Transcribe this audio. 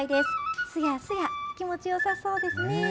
すやすや、気持ちよさそうですね。